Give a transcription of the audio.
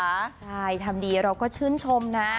ใช่ทำดีเราก็ชื่นชมนะ